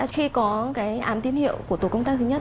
khi có cái án tín hiệu của tổ công tác thứ nhất